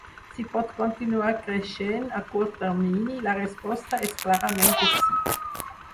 Si pot continuar creixent a curt termini, la resposta és clarament que sí.